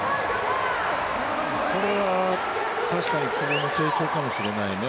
これは確かに久保の成長かもしれないね。